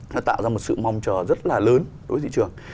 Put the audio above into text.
nó tạo ra một sự mong chờ rất là lớn đối với thị trường